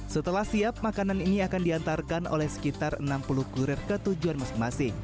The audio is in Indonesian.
setelah siap makanan ini akan diantarkan oleh sekitar enam puluh kurir ketujuan masing masing